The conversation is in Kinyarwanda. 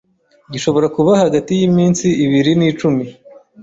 gishobora kuba hagati y'iminsi ibiri n’icumi